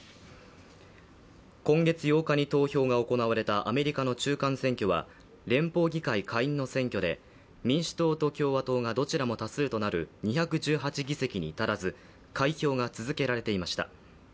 今月８日に投票が行われたアメリカの中間選挙は連邦議会下院の選挙で民主党と共和党がどちらも多数となる２１８議席に至らず開票が続けられていました。